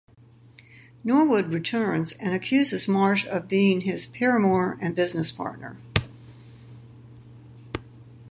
Norwood returns and accuses Marsh of being his paramour and business partner.